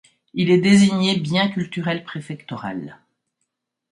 Il est désigné bien culturel préfectoral.